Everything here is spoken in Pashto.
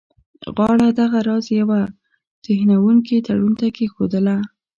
غاړه دغه راز یوه توهینونکي تړون ته کښېښودله.